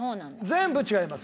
全部違います。